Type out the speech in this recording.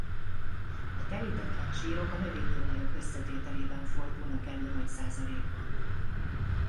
A telítetlen zsírok a növényi olajok összetételében fordulnak elő nagy százalékban.